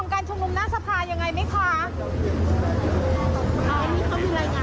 อ๋อนี่เขามีรายงานอะไรท่านนายเยาะล่ะครับ